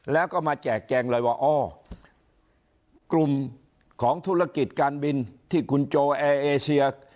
แล้วก็มาแจกแจงเลยว่าอ้อกลุ่มของธุรกิจการบินที่คุณโจแอร์เอเชีย